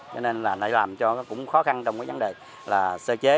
cho nên là lại làm cho cũng khó khăn trong cái vấn đề là sơ chế